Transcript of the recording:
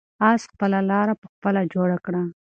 آس خپله لاره په خپله جوړه کړه.